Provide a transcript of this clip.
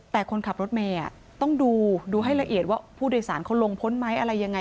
แต่คนขับรถเมย์ต้องดูดูให้ละเอียดว่าผู้โดยสารเขาลงพ้นไหมอะไรยังไง